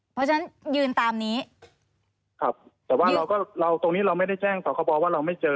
เพราะฉะนั้นยืนตามนี้ครับแต่ว่าเราก็เราตรงนี้เราไม่ได้แจ้งสคบว่าเราไม่เจอ